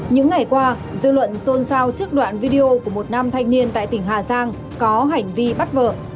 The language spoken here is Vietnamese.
những ngày qua dư luận xôn xao trước đoạn video của một nam thanh niên tại tỉnh hà giang có hành vi bắt vợ